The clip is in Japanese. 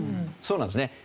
そうなんですね。